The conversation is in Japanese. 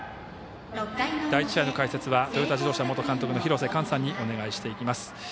第１試合の解説はトヨタ自動車元監督の廣瀬寛さんにお願いしていきます。